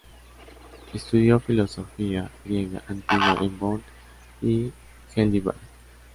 Estudió filosofía Griega Antigua en Bonn y Heidelberg.